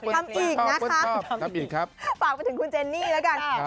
ฝากไปถึงคุณเจนนี่แล้วกัน